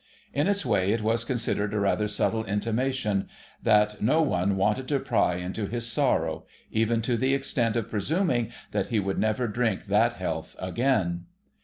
In its way it was considered a rather subtle intimation that no one wanted to pry into his sorrow—even to the extent of presuming that he would never drink that health again.